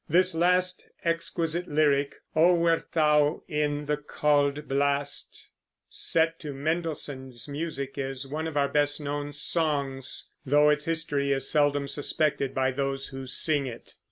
This last exquisite lyric, "O wert thou in the cauld blast," set to Mendelssohn's music, is one of our best known songs, though its history is seldom suspected by those who sing it.